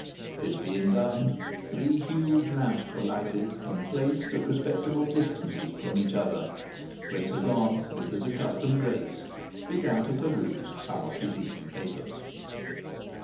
This being done, three huge lamps were lighted, and placed at respectable distances from each other, when Sir John, with his accustomed grace, began to peruse some of his evening papers.